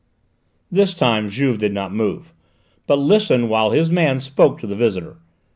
This time Juve did not move, but listened while his man spoke to the visitor.